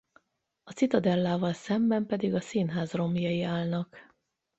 A citadellával szemben pedig a színház romjai állnak.